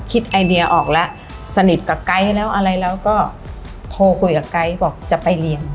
ไอเดียออกแล้วสนิทกับไก๊แล้วอะไรแล้วก็โทรคุยกับไก๊บอกจะไปเรียน